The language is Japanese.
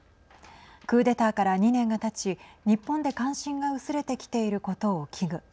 クーデターから２年がたち日本で関心が薄れてきていることを危惧。